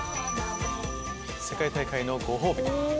「世界大会のご褒美」